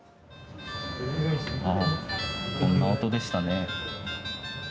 こんな音でしたね。